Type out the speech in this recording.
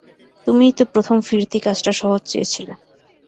তুমিই তো প্রথম ফিরতি কাজটা সহজ চেয়েছিলে।